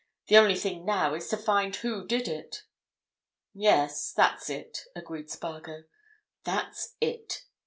The only thing now is to find who did it." "Yes, that's it," agreed Spargo. "That's it."